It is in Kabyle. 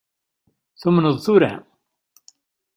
Tumneḍ tura?